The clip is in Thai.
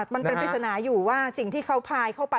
มันเป็นปริศนาอยู่ว่าสิ่งที่เขาพายเข้าไป